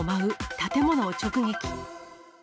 建物を直撃。